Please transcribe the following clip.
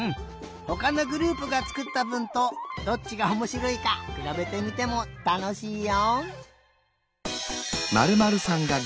ほかのグループがつくったぶんとどっちがおもしろいかくらべてみてもたのしいよ。